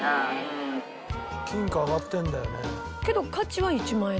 金貨上がってるんだよね。